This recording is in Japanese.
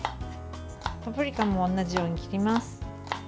パプリカも同じように切ります。